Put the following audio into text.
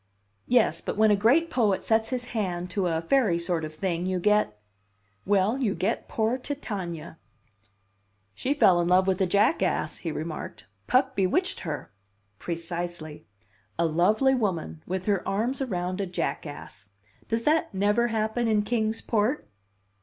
"Yes, but when a great poet sets his hand to a fairy sort of thing, you get well, you get poor Titania." "She fell in love with a jackass," he remarked. "Puck bewitched her." "Precisely. A lovely woman with her arms around a jackass. Does that never happen in Kings Port?"